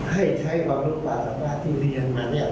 ให้ใช้บองฤทธิพรภาพที่เรียนมาเนี่ย